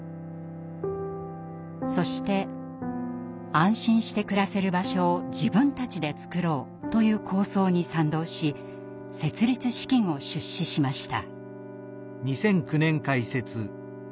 そして安心して暮らせる場所を自分たちでつくろうという構想に賛同し設立資金を出資しました。